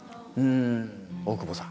大久保さん。